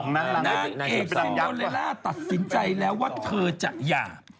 นางเอกซินโดเลล่าตัดสินใจแล้วว่าเธอจะหย่า